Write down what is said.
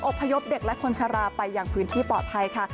พยพเด็กและคนชะลาไปอย่างพื้นที่ปลอดภัยค่ะ